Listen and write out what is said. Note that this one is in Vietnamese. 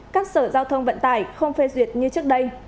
các sở giao thông vận tải không phê duyệt như trước đây